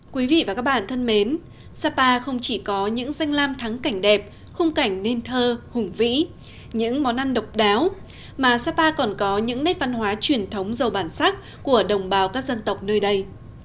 quý vị và các bạn thân mến sapa không chỉ có những danh lam thắng cảnh đẹp khung cảnh nền thơ hùng vĩ những món ăn độc đáo mà sapa còn có những nét văn hóa truyền thống giàu bản sắc của đồng bào các dân tộc nơi đây